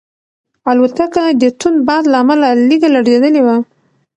الوتکه د توند باد له امله لږه لړزېدلې وه.